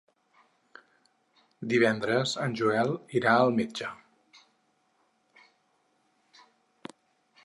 Divendres en Joel irà al metge.